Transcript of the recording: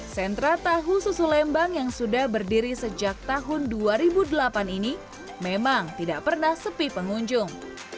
sentra tahu susu lembang yang sudah berdiri sejak tahun dua ribu delapan ini memang tidak pernah sepi pengunjung